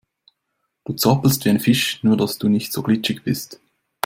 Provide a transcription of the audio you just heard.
Du zappelst wie ein Fisch, nur dass du nicht so glitschig bist.